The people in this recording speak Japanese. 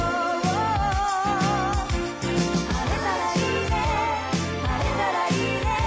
「晴れたらいいね晴れたらいいね」